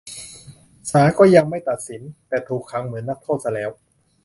ศาลก็ยังไม่ตัดสิน แต่ถูกขังเหมือนนักโทษซะแล้ว